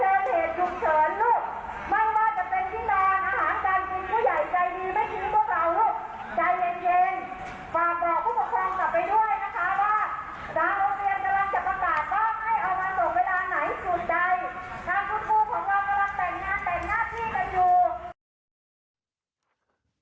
ทางคุณผู้ของเรากำลังแต่งงานแต่งหน้าที่กันอยู่